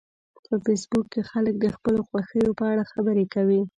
په فېسبوک کې خلک د خپلو خوښیو په اړه خبرې کوي